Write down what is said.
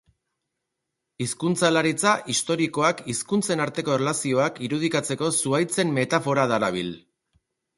Hizkuntzalaritza historikoak hizkuntzen arteko erlazioak irudikatzeko zuhaitzen metafora darabil.